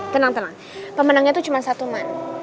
tenang tenang pemenangnya itu cuma satu man